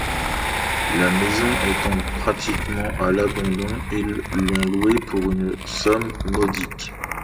La maison étant pratiquement à l'abandon, ils l'ont loué pour une somme modique.